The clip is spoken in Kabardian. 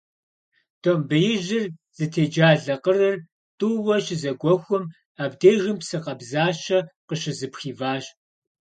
Домбеижьыр зытеджэла къырыр тӀууэ щызэгуэхум, абдежым псы къабзащэ къыщызыпхиващ.